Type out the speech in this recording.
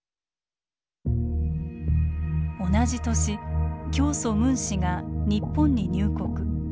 同じ年教祖ムン氏が日本に入国。